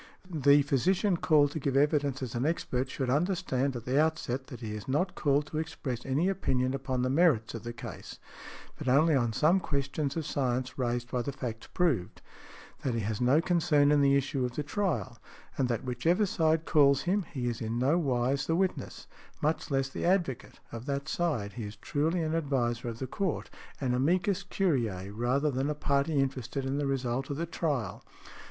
The physician called to give evidence as an expert should understand at the outset that he is not called to express any opinion upon the merits of the case, but only on some questions of science raised by the facts proved; that he has no concern in the issue of the trial, and that whichever side calls him he is in no wise the witness—much less the advocate—of that side. He is truly an adviser of the Court, an amicus curiæ, rather than a party interested in the result of the trial.